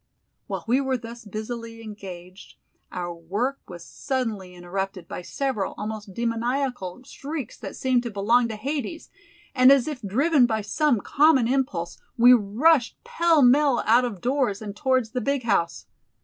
While we were thus busily engaged, our work was suddenly interrupted by several almost demoniacal shrieks that seemed to belong to Hades, and as if driven by some common impulse, we rushed pell mell out of doors and towards the "big" house.